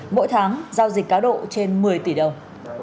mỗi tháng giao dịch cá độ trên một mươi tỷ đồng